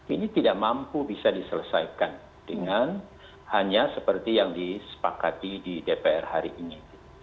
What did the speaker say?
ini tidak mampu bisa diselesaikan dengan hanya seperti yang disepakati di dpr hari ini